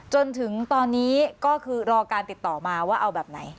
จนถึงตอนนี้ก็คือรอการติดต่อมาว่าเอาแบบไหน